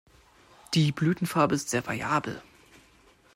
Die Blütenfarbe ist sehr variabel.